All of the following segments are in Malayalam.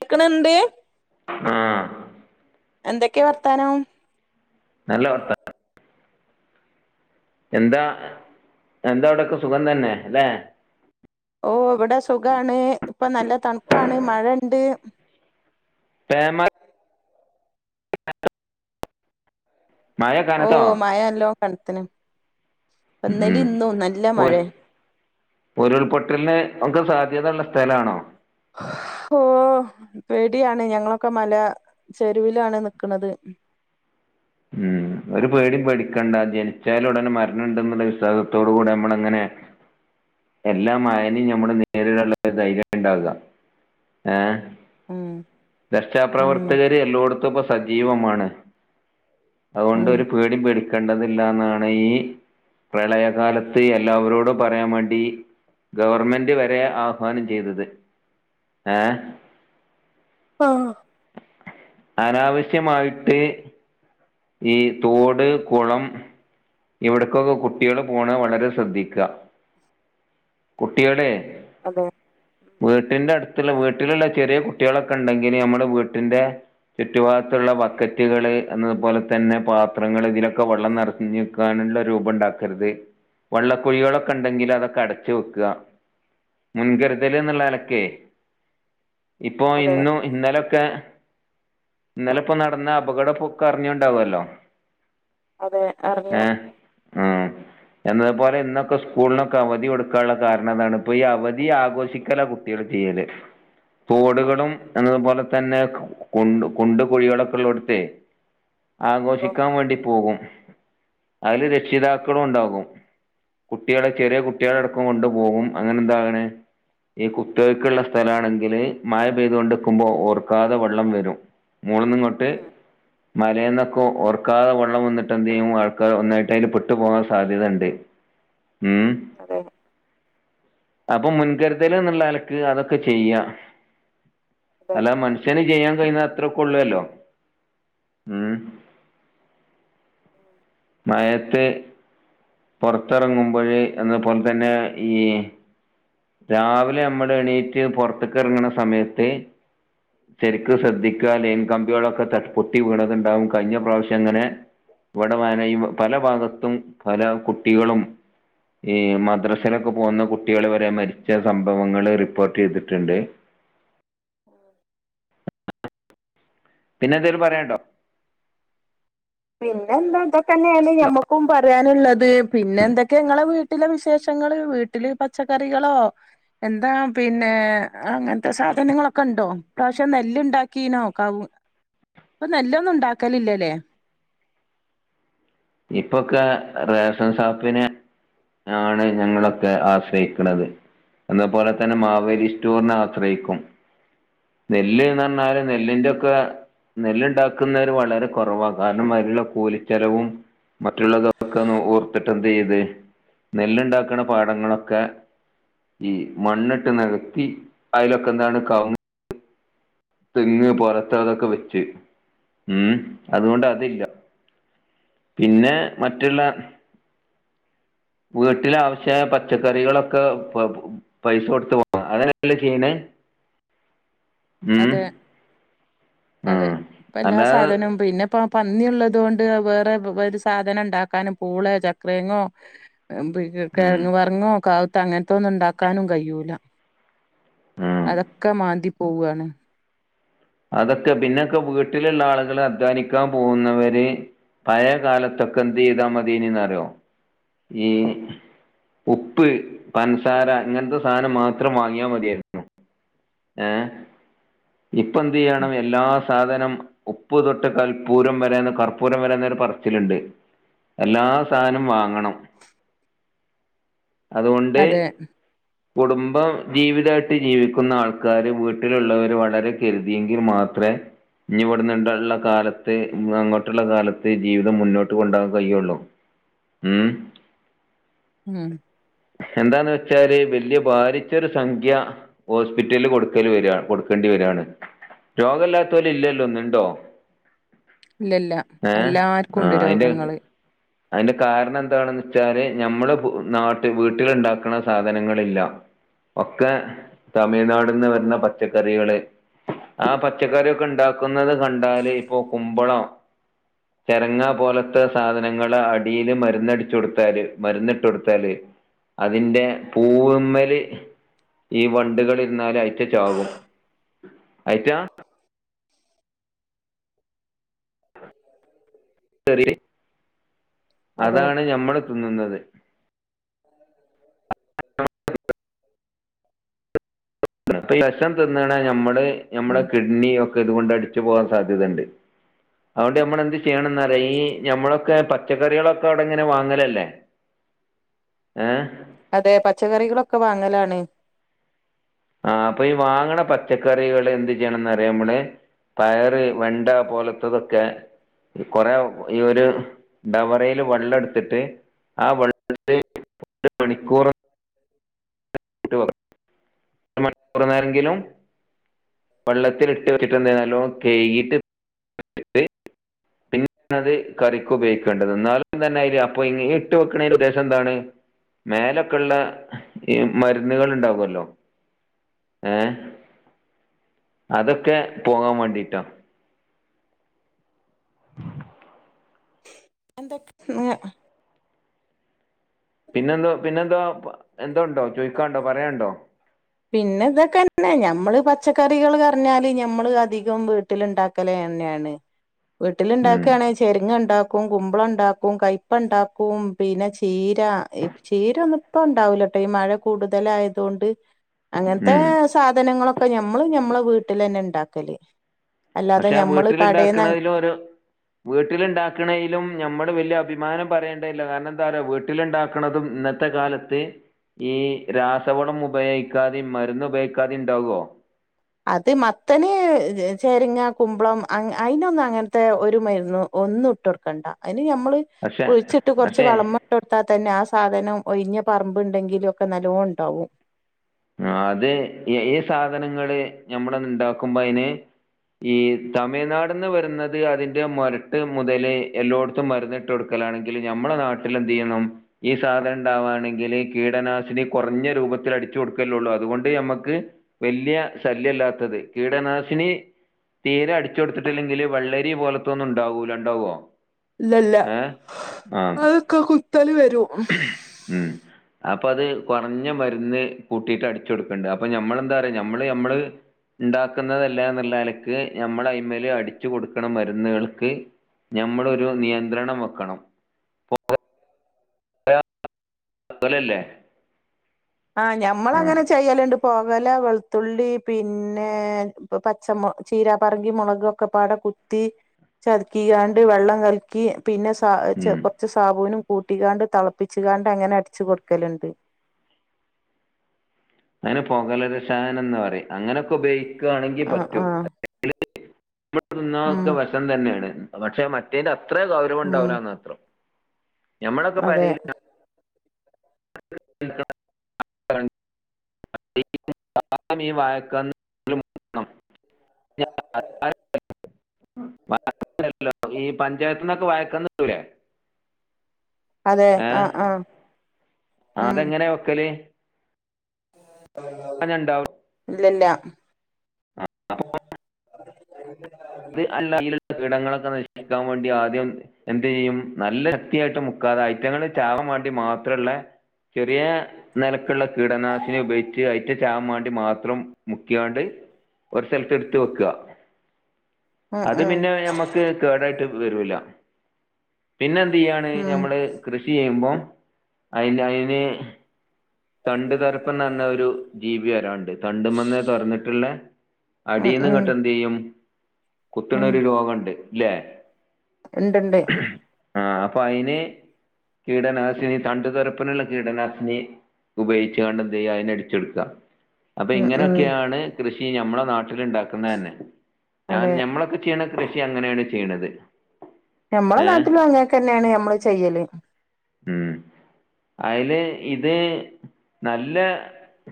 കെക്ണണ്ട് ആ എന്തൊക്കെയ വർത്താനം? നല്ല വർതാ എന്താ എന്താവിടൊക്കെ സുഖം തന്നെ ല്ലേ? ഓ ഇവിടെ സുഖാണ് ഇപ്പൊ നല്ല തണുപ്പാണ് മഴ ണ്ട്. പേമ മഴ ഓ കനത്തോ മഴ അല്ലോ കനത്ത്ന് ഉം. ഇന്നലിം ഇന്നും നല്ല ഉ- മഴയ ഉരുൾപൊട്ടലിന് ഒക്കെ സാധ്യതയ ഉള്ള സ്ഥലാണോ? ഓ പേടിയാണ് ഞങ്ങളൊക്കെ മല ചെരുവിലാണ് നിക്കന്നത്. ഉം ഒരു പേടിയും പേടിക്കണ്ട ജനിച്ചാല് ഉടനെ മരണണ്ടെന്നുള്ള വിശ്വാസത്തോട കൂടി നമ്മള അങ്ങനെ [inaudible] എല്ലാ മയനിം ഞമ്മള് നേരിടാനുള്ള ധൈര്യം ഉണ്ടാകാ ഏഹ് ഉം ഉം രക്ഷാപ്രവർത്തകര് എല്ലോടത്തും ഇപ്പൊ സജീവമാണ്. അതുകൊണ്ട് ഉം ഒരു പേടി പേടിക്കേണ്ടതില്ലന്നാണ് ഈ പ്രളയകാലത്ത് എല്ലാവരോടും പറയാൻ വേണ്ടി ഗവർമെന്റ് വരെ ആഹ്വാനം ചെയ്തത് ഏഹ് ആഹ് അനാവശ്യമായിട്ട് ഈ തോട് കുളം ഇവിടക്കൊക്കെ കുട്ടികൾ പോണ വളരെ ശ്രദ്ധിക്ക. കുട്ടികളെ അതെ വീട്ടിന്റെ അടുത്തുള്ള വീട്ടിലുള്ള ചെറിയ കുട്ടികളൊക്കെ ഉണ്ടെങ്കിൽ നമ്മുടെ വീട്ടിന്റെ ചുറ്റുഭാഗത്തുള്ള ബക്കറ്റുകള് എന്നതുപോലെ തന്നെ പാത്രങ്ങൾ ഇതിലൊക്കെ വെള്ളം നിറഞ്ഞക്കാനുള്ള രൂപം ണ്ടാക്കരുത്. വെള്ളക്കുഴികളൊക്കെ ണ്ടെങ്കിൽ അതൊക്കെ അടച്ച് വെക്ക. മുൻകരുതലേ ന്നുള്ള നെൽക്കെ ഇപ്പോ അതെ ഇന്നും ഇന്നലെയൊക്കെ ഇന്നലെ ഇപ്പോ നടന്ന അപകട പൊക്കെ ണ്ടാവല്ലോ അതെ അറിഞ്ഞു ഏ. എന്നതുപോലെ ഇന്നൊക്കെ സ്കൂളിനൊക്കെ അവധി കൊടുക്കാനുള്ള കാരണതാണ് ഇപ്പൊ ഈ അവധി ആഘോഷിക്കലട്ട ത്തിയല് [inaudible] തോടുകളും എന്നതുപോലെ തന്നെ കൊണ്ട് കൊണ്ട് കോഴികളൊക്കെ ഉള്ള ഇടത്തെ ഓ ആഘോഷിക്കാൻ വേണ്ടി പോകും അതില് രക്ഷിതാക്കളും ഉണ്ടാകും കുട്ടികളെ ചെറിയ കുട്ടികള അടക്കം കൊണ്ട് പോകും അങ്ങനെ എന്താകണ് ഈ കുത്തഴക്കുള്ള സ്ഥലമാണെങ്കില് മഴ പെയ്തുകൊണ്ടിക്കുമ്പോൾ ഓർക്കാതെ വെള്ളം വരും മൂളന്നുംങ്ങോട്ട് മലന്നൊക്കെ ഓർക്കാതെള്ളം വന്നിട്ട് എന്ത് ചെയ്യും ആൾക്കാർ ഒന്നായിട്ട് അതിൽ പെട്ടു പോകാൻ സാധ്യതുണ്ട് ഉം അതെ അപ്പൊ മുൻകരുതൽ എന്നുള്ള അലക്ക് അതൊക്കെ ചെയ്യാ അതെ അല്ല മനുഷ്യന് ചെയ്യാൻ കഴിയഞ്ഞ അത്ര കൊള്ളുവല്ലോ ഉം [unintelligible] മയത്ത് പുറത്തിറങ്ങുമ്പോൾ അതുപോലെ തന്നെ ഈ രാവിലെ നമ്മള് എണീറ്റ് പുറത്തക്കിറങ്ങണ സമയത്ത് ചെരക്ക് ശ്രദ്ധിക്കാൽ ലൈൻ കമ്പികളൊക്കെ പൊട്ടി വീണതുണ്ടാവും കഴിഞ്ഞ പ്രാവശ്യം ഇങ്ങനെ ഇവിടെ വന പല ഭാഗത്തും പല കുട്ടികളും ഈ മദ്രാസിലൊക്കെ പോകുന്ന കുട്ടികൾ വരെ മരിച്ച സംഭവങ്ങൾ റിപ്പോർട്ട് ചെയ്തിട്ടുണ്ട് പിന്നെ എന്തേലും പറയാണ്ടോ പിന്നെ എന്താ എതൊക്കെ തന്നെയാണ് ഞമ്മക്കും പറയാനുള്ളത് പിന്നെ എന്തൊക്കെ ങ്ങളെ വീട്ടിലെ വിശേഷങ്ങള് വീട്ടില് പച്ചക്കറികളോ എന്താ പിന്നെ അങ്ങനത്തെ സാധനങ്ങളൊക്കെ ഉണ്ടോ പ്രാവശ്യ നെല്ലുണ്ടാക്കീനോ കാവ [unintelligible] അപ്പ നല്ലൊന്നും ഉണ്ടാക്കലില്ലല്ലേ ഇപ്പൊക്കെ റേഷൻ ഷാപ്പിന് ആണ് ഞങ്ങളൊക്കെ ആശ്രയിക്കണത് അതുപോലെ തന്നെ മാവേരി സ്‌റ്റോറിനെ ആശ്രയിക്കും നെല്ല്ന്ന് പറഞ്ഞാല് നെല്ലിൻന്റൊക്കെ നെല്ലുണ്ടാക്കുന്നര് വളരെ കുറവാണ് കാരണം അതിലുള്ള കൂലിച്ചെലവും മറ്റുള്ളതൊക്കെ ഒന്ന് ഓർത്തിട്ട് എന്ത് ചെയ്ത് നെലുണ്ടാക്കുന്ന പാടങ്ങളൊക്കെ ഈ മണ്ണിട്ട് നികത്തി അതിലൊക്കെ എന്താണ് ക തെങ്ങ് പുറത്തതൊക്കെ വെച്ച് ഉം അതുകൊണ്ട് അതില്ല പിന്നെ മറ്റുള്ള വീട്ടിലാവശ്യമായ പച്ചക്കറികളൊക്കെ പൈസ കൊടുത്ത പോ അതനല്ല ചെയ്യണേ [inaudible] ഉം അതെ ഉം ഇപ്പൊ എല്ലാ അല്ലാതെ സാധനവും പിന്നെ ഇപ്പൊ പന്നിയള്ളത് കൊണ്ട് വേറെ സാധനം ഉണ്ടാക്കാനും പൂള ചക്രേങ്ങോ ഉം കിഴങ് വർങ്ങോ കാവത്ത് അങ്ങനത്തൊന്നും ഉണ്ടാക്കാനും കഴൂല ഉം അതൊക്കെ മാന്തി പോവാണ് അതൊക്കെ പിന്നൊക്കെ വീട്ടിലുള്ള ആളുകൾ അധ്വാനിക്കാൻ പോകുന്നവര് പഴയ കാലത്തൊക്കെ എന്തീതാ മദീനന്ന് അറിയോ ഈ ഉപ്പ് പഞ്ചസാര ഇങ്ങനത്തെ സാധനം മാത്രം വാങ്ങിയാൽ മതിയായിരുന്നു ഏഹ് ഇപ്പ എന്ത് ചെയ്യണം എല്ലാ സാധനം ഉപ്പ് തൊട്ട് കൽപ്പൂരം വരേന്ന് കർപ്പൂരം വരേന്നൊരു പറച്ചിലുണ്ട്. എല്ലാ സാനം വാങ്ങണം. അതുകൊണ്ട് അതെ കുടുംബം ജീവിതായിട്ട് ജീവിക്കുന്ന ആൾ ക്കാര് വീട്ടിലുള്ളവര് വളരെ കരുതിയെങ്കിൽ മാത്രേ ഇനി ഇവിടെന്നുണ്ടള്ള കാലത്ത് വിടന്നങ്ങോട്ടുള്ള കാലത്ത് ജീവിതം മുന്നോട്ട് കൊണ്ടോകാൻ കഴിയുള്ളു. ഉം ഉം എന്താന്ന് വെച്ചാല് വല്യ ബാരിച്ചൊരു സംഖ്യ ഹോസ്പിറ്റലില് കൊടുക്കല് വരാ കൊടുക്കേണ്ടി വരാണ്. രോഗല്ലാത്തോല് ഇല്ലല്ലോ ഇന്ന് ഇണ്ടോ? ഇല്ലല്ല എല്ലാവർക്കും ഉണ്ട് രോഗങ്ങള്. അയ്ന്റെ കാരണം എന്താണെന്ന് വെച്ചാല് ഞമ്മള് ഭൂ നാ വീട്ടില് ഇണ്ടാക്കണ സാധനങ്ങളില്ല. ഒക്കെ തമിഴ്നാട്ന്ന് വരണ പച്ചക്കറികള്. ആഹ് പച്ചക്കറിയൊക്കെ ഉണ്ടാക്കുന്നത് കണ്ടാല് ഇപ്പൊ കുമ്പളം ചെരങ്ങാ പോലത്തെ സാധനങ്ങള് അടിയില് മരുന്നടിച്ചു കൊടുത്താല് മരുന്നിട്ട് കൊടുത്താല് അതിന്റെ പൂവുമ്മല് ഈ വണ്ടുകൾ ഇരുന്നാല് അയ്റ്റ ചാകും. അയ്റ്റാ [inaudible] അതെ അതാണ് ഞമ്മള് തിന്നുന്നത്. [inaudible] എന്നിട്ട് വിഷം തിന്നണ നമ്മള് നമ്മുടെ ഉം കിഡ്നി ഒക്കെ ഇതുകൊണ്ട് അടിച്ചു പോകാൻ സാധ്യതണ്ട്. അതുകൊണ്ട് നമ്മള് എന്ത് ചെയ്യണന്നറിയോ? ഈ ഞമ്മളൊക്കെ പച്ചക്കറികളൊക്കെ അവിടെ ഇങ്ങനെ വാങ്ങലല്ലേ. ഏഹ് അതെ പച്ചക്കറികളൊക്കെ വാങ്ങലാണ്. ആഹ് അപ്പൊ ഈ വാങ്ങണ പച്ചക്കറികള് എന്ത് ചെയ്യണന്നറിയോ നമ്മള്. പയറ്, വെണ്ട പോലത്തതൊക്കെ കൊറെ ഈ ഒരു ഡവറേല് വെള്ളം എടുത്തിട്ട് ആഹ് വെ [unintelligible] മണിക്കൂറ് [inaudible] ഒരു മണിക്കൂറു നേരമെങ്കിലും വെള്ളത്തിലിട്ട് വെച്ചിട്ടുണ്ടെങ്കി നല്ലോണം കെയ്കിയിട്ട് പിന്നെ അത് കറിക്ക് ഉപയോഗിക്കേണ്ടത്. എന്നാലും തന്നെ അയില് അപ്പൊ ഇട്ട് വെക്കണേൻ്റെ ഉദ്ദേശം എന്താണ്? മേലൊക്കെയുള്ള ഈ മരുന്നുകൾ ഉണ്ടാകുമല്ലോ. ഏഹ് അതൊക്കെ പോകാൻ മാണ്ടീട്ടാ. [unintelligible] പിന്നെന്തോ പിന്നെന്തോ എന്തോ ഉണ്ടോ ചോയ്ക്കാണ്ടോ പറയാണ്ടോ? പിന്നെ ഇതൊക്കെന്നെ ഞമ്മള് പച്ചക്കറികള് പറഞ്ഞാല് ഞമ്മള് അധികം വീ ട്ടില് ഇണ്ടാക്കല് തന്നെയാണ്. വീട്ടില് ഉം. ഇണ്ടാക്കാണെ ചെരങ്ങണ്ടാക്കും, കുമ്പളണ്ടാക്കും, കയ്പ്പണ്ടാക്കും, പിന്നെ ചീര ഈ ചീര ഒന്നും ഇപ്പോ ഉണ്ടാവൂലാട്ടോ ഈ മഴ കൂടുതലായതുകൊണ്ട്. അങ്ങനത്തെ ഉം. സാധനങ്ങളൊക്കെ ഞമ്മള് ഞമ്മളെ വീട്ടിലെന്നെ ഉണ്ടാക്കല്. അല്ലാതെ പക്ഷെ ആ ഞമ്മള് വീട്ടില് കടേന്ന് ഇണ്ടാക്കണതിലോരോ വീട്ടിലുണ്ടാക്കണേലും ഞമ്മള് വലിയ അഭിമാനം പറയേണ്ടേയില്ല. കാരണം എന്താ പറയാ വീട്ടിലുണ്ടാക്കണതും ഇന്ന ത്തെ കാലത്ത് ഈ രാസവളം ഉപയോഗിക്കാതെയും മരുന്ന് ഉപയോഗിക്കാതെയും ഇണ്ടാകോ? അത് മത്തന് ചെരങ്ങ, കുമ്പളം അയ് അയ്നൊന്നും അങ്ങനത്തെ ഒരു മരുന്നും ഒന്നും ഇട്ടു കൊടു ക്കണ്ട അയ്ന് ഞമ്മള് പക്ഷെ കുഴിച്ചിട്ട് കുറച്ച് പക്ഷേ വളമ്മ ഇട്ടു കൊടുത്താൽ തന്നെ ആഹ് സാധനം ഒഴിഞ്ഞ പറമ്പ് ഇണ്ടെങ്കിലും ഒക്കെ നല്ലോ ഇണ്ടാവും. ആഹ് അത് ഈ സാധനങ്ങള് ഞമ്മള് ഇണ്ടാക്കുമ്പ അയ്ന് ഈ തമിഴ്നാട്ന്ന് വരുന്നത് അതിന്റെ മൊരട്ട് മുതല് എല്ലോടുത്തും മരുന്നിട്ട് കൊടു ക്കലാണെങ്കിൽ നമ്മളെ നാട്ടില് എന്ത് ചെയ്യണം ഈ സാധനം ഉണ്ടാവാണെങ്കിൽ കീടനാശിനി കുറഞ്ഞ രൂപത്തിൽടി അതുകൊണ്ട് നമ്മക്ക് വല്ല്യ ശല്യല്ലാത്തത് കീടനാശിനി തീരെ അടിച്ചു കൊടുത്തിട്ടില്ലെങ്കിൽ വെള്ളരി പോലത്തെ ഒന്നും ഉണ്ടാവൂല ഉണ്ടാവോ ഇല്ല ഇല്ല ഏ ആ അതൊക്കെ കുത്തല് വരും ഉം അപ്പൊ അത് കുറഞ്ഞ മരുന്ന് കൂട്ടിട്ട് അടിച്ച്കൊടുക്കണ്ട് അപ്പൊ ഞമ്മൾ എന്താപറയാ ഞമ്മള് ഞമ്മള് ഉണ്ടാക്ക്‌ന്നല്ലതാ ഞമ്മൾ അയമ്മൽ അടിച്ച് കൊടുക്കാണ മരുന്നുകൾക്ക് ഞമ്മളൊരു നിയന്ത്രണം വെക്കണം [unintelligible] ആഹ് ആ ഞമ്മളങ്ങനെ ചെയ്യലുണ്ട് പോകാല വെളുത്തുള്ളി പിന്നെ ചീര പറങ്കി മൊളക് ഒക്കെപ്പാടെ കുത്തി ക്ക്യണ്ട വെള്ളം കലക്കി പിന്നെ ഉം കൊർച് സബൂണും കൂട്ടിക്കണ്ട് തെളപ്പിച്ചക്കണ്ട് അങ്ങനെ അടിച്ച് കൊടുക്കൽണ്ട് അയ്ന് പോകല രസായണം ന്ന് പറിം അങ്ങനൊക്കെ ഉപയോഗിക്കാണെങ്കിൽ ആഹ് പറ്റും ആഹ് [unintelligible] ര് ഉം ഉം ണ്ടോവലാന്നാത്രം ഞമ്മടെക്കേ അതെ പരേൽ [unintelligible] [unintelligible] [unintelligible] [unintelligible] അതെ ആ ഏഹ് ആ ഉം അതെങ്ങനെ വെക്കല് [unintelligible] ഇല്ലല്ല അതല്ല അതിലുള്ള കീടങ്ങളൊക്കെ നശിക്കാൻ വേണ്ടി ആദ്യം എന്ത് ചെയ്യും നല്ല ശക്തിയായിട്ട് മുക്കാതെ ഐറ്റങ്ങൾ ചാവം വേണ്ടി മാത്രമുള്ള ചെറിയ നിരക്കുള്ള കീടനാശിനി ഉപയോഗിച്ച് അതിൻ്റെ ചാവാൻ വേണ്ടി മാത്രം മുക്കിയാണ്ട് ഒരു സ്ഥലത്ത് എടുത്ത് വെക്ക ഉം അത് ഉം പിന്നെ ഞമ്മക്ക് കേടായിട്ട് വരൂല പിന്നെന്ത് ചെയ്യാണ് ഉം ഞമ്മക്ക് കൃഷി ചെയ്യുമ്പോം അതിൻ്റെ അതിന് തണ്ട് തരപ്പം തന്നെ ഒരു ജീവി വരാൻണ്ട് തണ്ടും വന്നേ തുറന്നിട്ടുള്ള ഉം ഉം അഡീന്ന്ങ്ങോട്ട് എന്ത് ചെയ്യും കുത്തണരു രോഗം ഉണ്ടല്ലേ ഉണ്ട് ഉണ്ട് ആഹ് അപ്പൊ അയിന് കീടനാശിനി തണ്ടുതറപ്പനുള്ള കീടനാശിനി ഉപയോഗിക്കണ്ട് എന്ത് ചെയ്യുക അതിനെ അടിച്ചെടുക്കാം അപ്പൊ ഉം ഉം ഇങ്ങനെയൊക്കെയാണ് കൃഷി നമ്മളുടെ നാട്ടിലുണ്ടാക്കുന്നത് വെക്കുന്നെ തന്നെ ഞാൻ അതെ ഞമ്മളൊക്കെ ചെയ്യണ കൃഷി അങ്ങനെയാണ് ചെയ്യണത് ഞമ്മള് ഏഹ് നാട്ടിലും അങ്ങനൊക്കെന്നെയാണ് ഞമ്മള് ചെയ്യല് ഉം അയ്ല് ഇത് നല്ല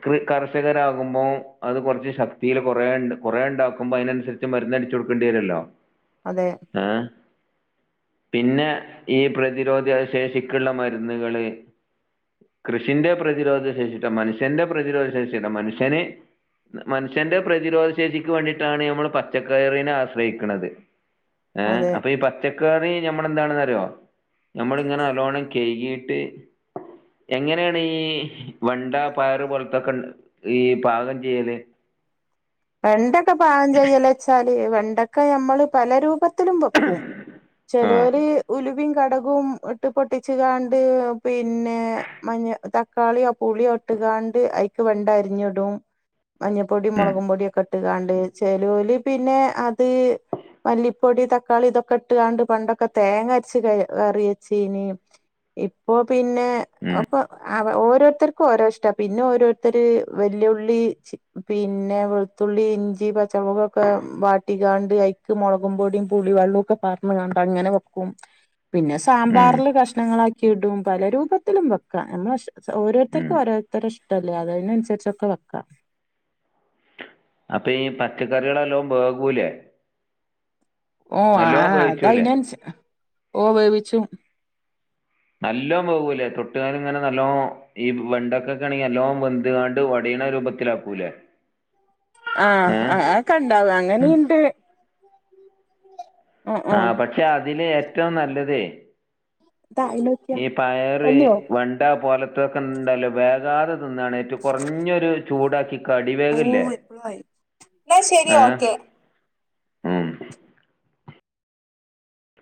കൃ കർഷകരാകുമ്പോൾ അത് കുറച്ച് ശക്തിയിൽ കുറെ കുറെ ഉണ്ടാക്കുമ്പോ അയ്നനുസരിച്ച് മരുന്ന് അടിച്ചു കൊടുക്കേണ്ടി വരല്ലോ അതെ ഏഹ് പിന്നെ ഈ പ്രതിരോധിയ ശേഷിക്കുള്ള മരുന്നുകള് കൃഷിന്റെ പ്രതിരോധ ശേഷിയോട്ടോ മനുഷ്യന്റെ പ്രതിരോധ ശേഷി അല്ല മനുഷ്യന് മനുഷ്യന്റെ പ്രതിരോധ ശേഷിക്ക് വേണ്ടിയിട്ടാണ് ഞമ്മള് പ പച്ചക്കറിനെ ആശ്രയിക്കുന്നത് ഏ അതെ അപ്പൊ ഈ പച്ച പച്ചക്കറി നമ്മടെ എന്താണെന്നറിയോ ഞമ്മള് ഇങ്ങനെ നല്ലോണം കഴുകിട്ട് എങ്ങനെയാണ് ഈ വെണ്ട പയറു പോലത്തൊക്കെ ഈ പാകം ചെയ്യല് വെണ്ടയ്ക്ക പാകം ചെയ്യല് വെച്ചാല് വെണ്ടയ്ക്ക നമ്മള് പല രൂപത്തിൽ ത്തിലും വെക്കും ആഹ് ചേലോർ ഉലുംവിം കടു കും ഇട്ട് പൊട്ടിച്ച്കാണ്ട് പിന്നേ മഞ തക്കാളിയോ പുളിയോ ട്ട്കാണ്ട് അയ്ക്ക് വെണ്ട അരിഞ്ഞിടും. മഞ്ഞപ്പൊടിം ഉം മൊളകും പൊടിയൊ ക്കെട്ട് കാണ്ട് ചെലോല് പിന്നെ അത് മല്ലിപ്പൊടി തക്കാളി ഇതൊക്കെ ഇട്ട് കാണ്ട് പണ്ടൊക്കെ തേങ്ങ അരച്ച് ക കറി വെച്ചീനി. ഇപ്പൊ പിന്നെ ഉം അപ്പൊ ആഹ് അവ ഓരോരുത്തർക്കും ഓരോ ഇഷ്ട. പിന്നെ ഓരോരുത്തര് വെല്ല്യുളളി ചി പിന്നെ തുള്ളി, ഇഞ്ചി, പച്ചമുൾക് ഒക്കെ വാട്ടിക്കാണ്ട് അയ്ക്ക് മൊളകും പൊടിം പുളി വള്ളു ഒക്കെ പാർന്ന് കാണ്ട് അങ്ങനെ വെ ക്കും. പിന്നെ ഉം സാമ്പാറില് കഷ്ണങ്ങളാക്കി ഇടും പല രൂപത്തിലും വെക്കാ. നമ്മളശെ സ ഉം ഓരോരുത്തർക്കും ഓരോ ത്തറ ഇഷ്ടല്ലേ അതയ്നനുസരിച്ചൊക്കെ വെക്കാ. അപ്പ ഈ പച്ചക്കറികളെല്ലോം വേകൂലേ? ഓഹ് നല്ലോണം ആഹ് വേവിച്ചൂലേ അതയിനൻസ ഓഹ്, വേവിച്ചും. നല്ലോം വേകൂല്ലേ, തൊട്ടുകാണ്ട് ഇങ്ങനെ നല്ലോം ഈ വെണ്ടൊക്കെക്കെ ആണെങ്കി നല്ലോം വെന്ത്‌കാണ്ട്‌ ഒടീണ രൂപ ത്തിലാക്കൂലേ. ആഹ് അഹ് അഒക്കെണ്ടാവും. ഉം അങ്ങനീണ്ട് ആ ഉം പക്ഷെ അതിന് ഏറ്റവും നല്ലതേ ഇതാ അയിനോക്കിയ ഈ പയറ്, പൊന്നിയോ വെണ്ട പോലത്തൊക്കെ ണ്ടല്ലോ വേകാതെ ന്‌ന്നാണ് ഏറ്റു കൊറഞ്ഞൊരു ചൂടാക്കി കടി വേഗ്‌ ല്ലേ, ആഹ് ഉം